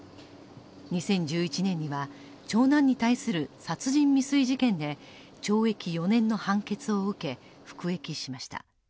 ２０１１年には長男に対する殺人未遂事件で懲役４年の判決を受け、服役しました。